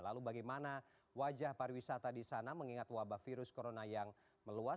lalu bagaimana wajah pariwisata di sana mengingat wabah virus corona yang meluas